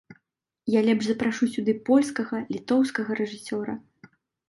Я лепш запрашу сюды польскага, літоўскага рэжысёра.